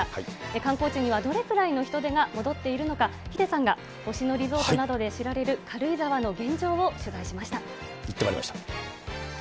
観光地にはどれくらいの人出が戻っているのか、ヒデさんが星野リゾートなどで知られる軽井沢の現状を取材しまし行ってまいりました。